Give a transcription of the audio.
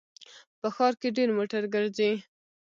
په ښار کې ډېر موټر ګرځي